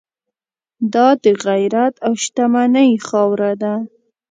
دا د غیرت او شتمنۍ خاوره ده.